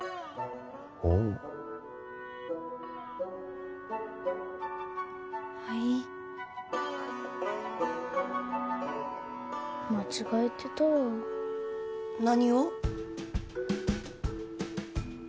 ほうはい・間違えてたわ何を？